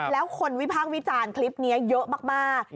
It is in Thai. แล้วคนวิพากษ์วิจารณ์คลิปนี้เยอะมาก